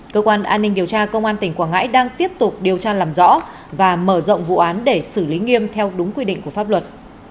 cơ quan an ninh điều tra công an tỉnh quảng ngãi đang tiếp tục điều tra làm rõ và mở rộng vụ án để xử lý nghiêm theo đúng quy định của pháp luật